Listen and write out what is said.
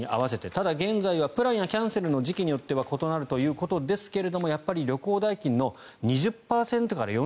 ただ現在はプランやキャンセルの時期によっては異なるということですけれどやっぱり旅行代金の２０％から４０％